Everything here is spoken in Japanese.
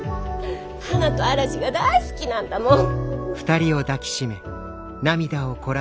花と嵐が大好きなんだもん！